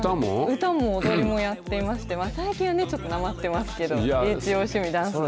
歌も踊りもやっていまして、最近はちょっとなまってますけど、一応、趣味、ダンスで。